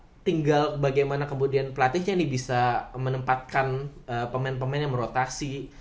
tapi ini tinggal bagaimana kemudian pelatihnya nih bisa menempatkan pemain pemain yang merotasi